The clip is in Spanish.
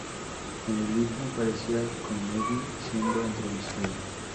En el mismo aparecía Connelly siendo entrevistado.